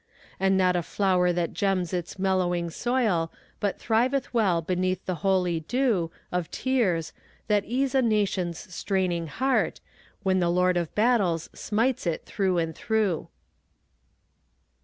And not a flower that gems its mellowing soil But thriveth well beneath the holy dew Of tears, that ease a nation's straining heart When the Lord of Battles smites it through and through.